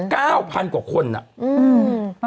๙๐๐๐กว่าคนอะ